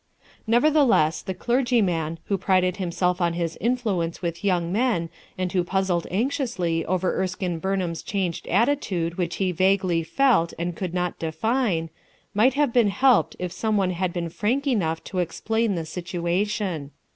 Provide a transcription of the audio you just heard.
Nevertheless, the clergyman, who prided him self on his influence with young men and who puzzled anxiously over Erskine Bumham'a changed attitude which he vaguely felt and could not define, might have been helped if some one had been frank enough to explain the situation.